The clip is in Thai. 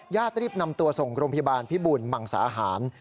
รีบนำตัวส่งโรงพยาบาลพิบูลมังสาหาร